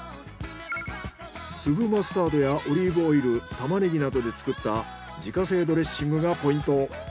粒マスタードやオリーブオイルタマネギなどで作った自家製ドレッシングがポイント。